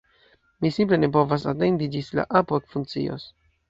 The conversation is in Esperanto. Mi simple ne povas atendi ĝis la apo ekfunkcios!